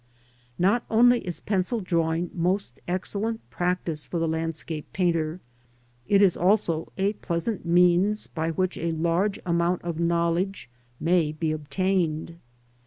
Not only is pencil drawing most excellent practice for the landscape painter — it is also a pleasant means by which a large amount of knowledge may be obtained.